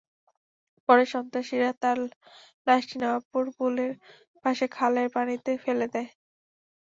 পরে সন্ত্রাসীরা তাঁর লাশটি নবাবপুর পুলের পাশে খালের পানিতে ফেলে দেয়।